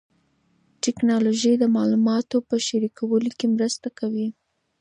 ټیکنالوژي د معلوماتو په شریکولو کې مرسته کوي.